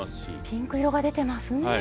ピンク色が出てますね。